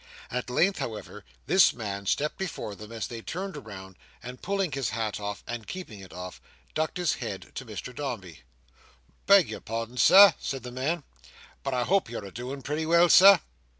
At length, however, this man stepped before them as they turned round, and pulling his hat off, and keeping it off, ducked his head to Mr Dombey. "Beg your pardon, Sir," said the man, "but I hope you're a doin' pretty well, Sir."